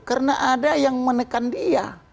karena ada yang menekan dia